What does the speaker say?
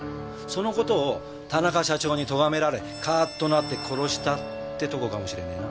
その事を田中社長にとがめられカーッとなって殺したってとこかもしれねえな。